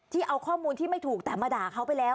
เอาข้อมูลที่ไม่ถูกแต่มาด่าเขาไปแล้ว